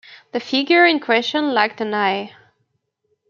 The figure in question lacked an eye.